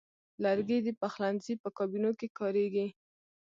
لرګی د پخلنځي په کابینو کې کاریږي.